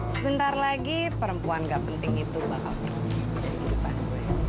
sebentar lagi perempuan gak penting itu bakal pergi dari kehidupan gue